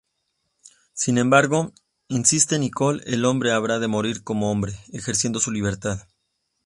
Sin embargo, insiste Nicol, el hombre habrá de morir como hombre: ejerciendo su libertad.